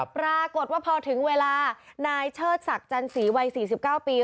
ปรากฏว่าพอถึงเวลานายเชิดศักดิ์จันสีวัย๔๙ปี